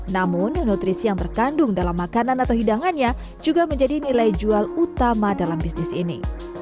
namun nutrisi yang terkandung dalam makanan atau hidangannya juga menjadi nilai jual utama dalam bisnis ini